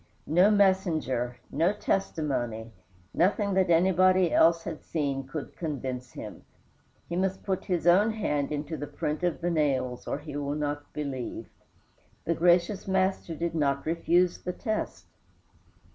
No messenger, no testimony, nothing that anybody else had seen could convince him. He must put his own hand into the print of the nails or he will not believe. The gracious Master did not refuse the test.